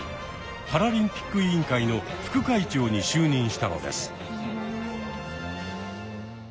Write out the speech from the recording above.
パラリンピック委員会の副会長に就任したのです。